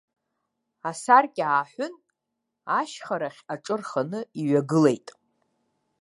Асаркьа ааҳәын, ашьхарахь аҿы рханы иҩагылеит.